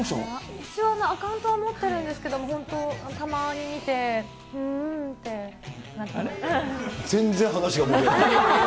一応、アカウントは持ってるんですけど、本当、たまに見て、全然話が盛り上がらない。